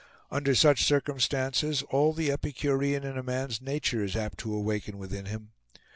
Under such circumstances all the epicurean in a man's nature is apt to awaken within him.